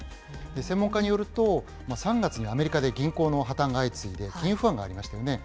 専門家によると、３月にアメリカで銀行の破綻が相次いで金融不安がありましたよね。